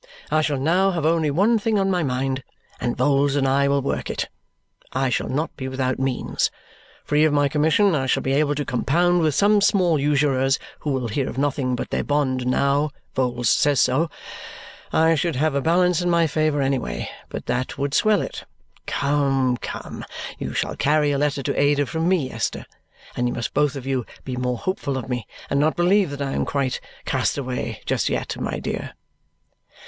I shall now have only one thing on my mind, and Vholes and I will work it. I shall not be without means. Free of my commission, I shall be able to compound with some small usurers who will hear of nothing but their bond now Vholes says so. I should have a balance in my favour anyway, but that would swell it. Come, come! You shall carry a letter to Ada from me, Esther, and you must both of you be more hopeful of me and not believe that I am quite cast away just yet, my dear."